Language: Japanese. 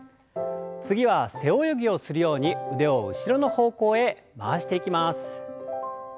次は背泳ぎをするように腕を後ろの方向へ回していきます。